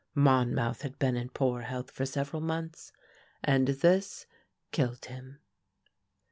Monmouth had been in poor health for several months, and this killed him.